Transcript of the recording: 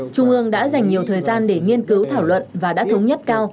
trung ương đã dành nhiều thời gian để nghiên cứu thảo luận và đã thống nhất cao